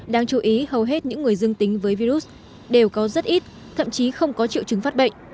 đáng chú ý hầu hết những người dương tính với virus đều có rất ít thậm chí không có triệu chứng phát bệnh